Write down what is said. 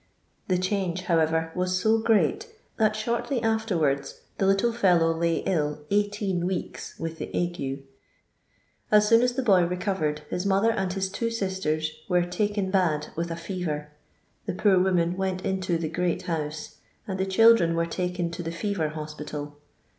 The change, however, was so great that shortly afterwards the little fellow lay ill eighteen weeks with the ague. As soon as the boy recovered his mother and his two sisters were "taken bad" with a fever. The poor woman went into the " Great House, * and the children were taken to the Fever Hospital.